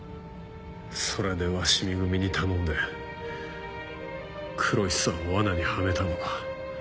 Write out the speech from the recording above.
それで鷲見組に頼んで黒石さんを罠にはめたのか？